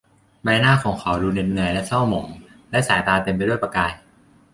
ใบหน้าของเขาดูเหน็ดเหนื่อยและเศร้าหมอง และสายตาเต็มไปด้วยประกาย